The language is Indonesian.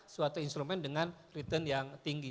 suatu instrumen dengan return yang tinggi